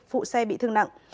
phụ xe bị thương nặng